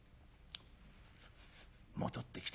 戻ってきた